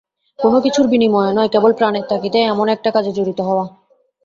কোনো কিছুর বিনিময়ে নয়, কেবল প্রাণের তাগিদেই এমন একটা কাজে জড়িত হওয়া।